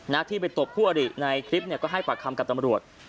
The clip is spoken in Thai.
นักที่ไปตบผู้อดิในคลิปก็ให้ปากคำกับตำรวจ